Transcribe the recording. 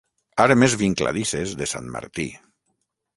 Armes vincladisses de sant Martí.